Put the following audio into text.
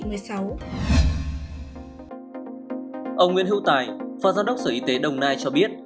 ông nguyễn hữu tài phó giám đốc sở y tế đồng nai cho biết